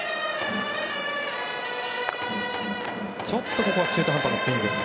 ちょっと中途半端なスイング。